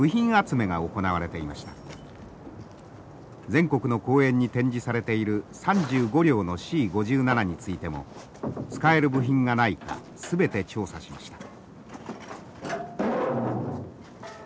全国の公園に展示されている３５両のＣ５７についても使える部品がないか全て調査しました。